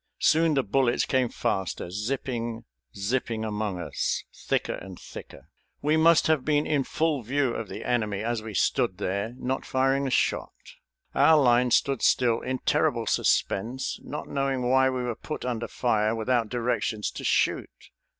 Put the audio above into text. Soon the bullets came faster, zipping, zipping among us, thicker and thicker. We must have been in full view of the enemy as we stood there, not firing a shot. Our line stood still in terrible suspense, not knowing why we were put under fire without directions to shoot.